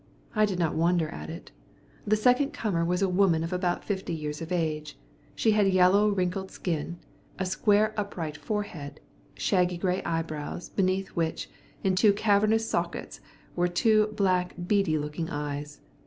I did not wonder at it. This second comer was a woman of about fifty five years of age. She had yellow wrinkled skin, a square upright forehead, shaggy grey eyebrows, beneath which, in two cavernous sockets, were two black beady looking eyes.